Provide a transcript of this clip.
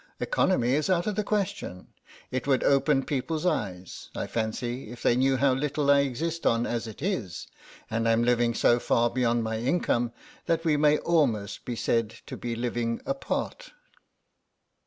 Economy is out of the question. It would open people's eyes, I fancy, if they knew how little I exist on as it is. And I'm living so far beyond my income that we may almost be said to be living apart."